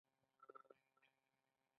زموږ په ګروپ کې څلوېښت مېرمنې دي.